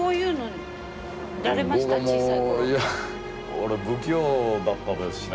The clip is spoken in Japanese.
俺不器用だったですしね。